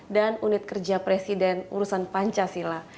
dan unit kerja presiden urusan pancasila